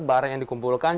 barang yang dikumpulkan